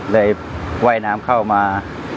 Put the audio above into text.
เลยไหว้น้ำเข้ามา